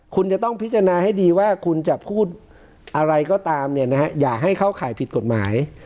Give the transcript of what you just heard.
คุณจะต้องพิจารณาให้ดีว่าคุณจะพูดอะไรก็ตามเนี่ยนะฮะอย่าให้เข้าข่ายผิดกฎหมาย